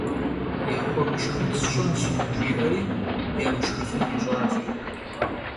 «Yaxuemışşxın sş'ınş», - jji'eri yamışşxıfın yiş'aş.